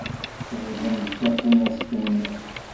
Teẓẓgemt tafunast-nni.